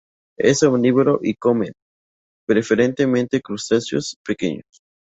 Es omnívoro y come, preferentemente, crustáceos pequeños.